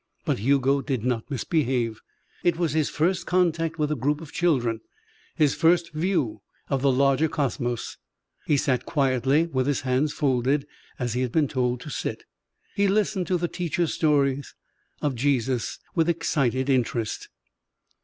But Hugo did not misbehave. It was his first contact with a group of children, his first view of the larger cosmos. He sat quietly with his hands folded, as he had been told to sit. He listened to the teacher's stories of Jesus with excited interest.